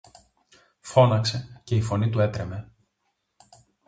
φώναξε, και η φωνή του έτρεμε.